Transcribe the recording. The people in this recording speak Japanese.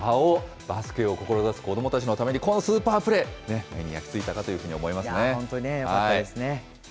バスケを志す子どもたちのために、このスーパープレー、目に焼き付本当によかったですね。